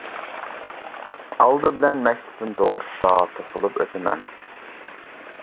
ئالدى بىلەن مەكتىپىم توغرىسىدا توختىلىپ ئۆتىمەن.